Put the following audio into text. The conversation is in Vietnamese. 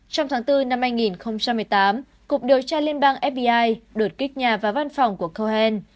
trong tháng bốn năm hai nghìn một mươi tám cục điều tra liên bang fbi đột kích nhà vào văn phòng của cohen